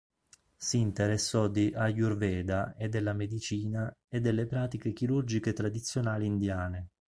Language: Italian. Si interessò di Ayurveda e della medicina e delle pratiche chirurgiche tradizionali indiane.